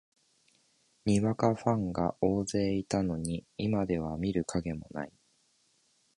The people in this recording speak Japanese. にわかファンが大勢いたのに、今では見る影もない